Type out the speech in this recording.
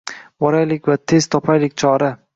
Boraylik va tezda topaylik chora…